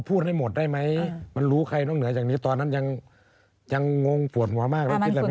พูดให้หมดได้ไหมมันรู้ใครนอกเหนือจากนี้ตอนนั้นยังงงปวดหัวมากแล้วคิดอะไรไหม